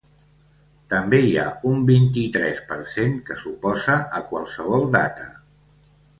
També hi ha un vint-i-tres per cent que s’oposa a qualsevol data.